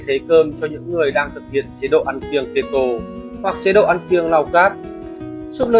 thế cơm cho những người đang thực hiện chế độ ăn phiêng keto hoặc chế độ ăn phiêng lao cát súp lơ